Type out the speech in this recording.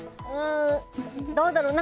どうだろう。